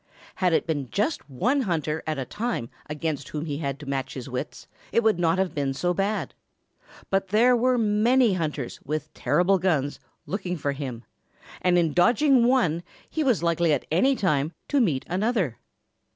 Had it been just one hunter at a time against whom he had to match his wits it would not have been so bad. But there were many hunters with terrible guns looking for him, and in dodging one he was likely at any time to meet another.